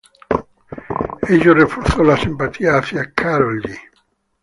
Ello reforzó la simpatía hacia Károlyi.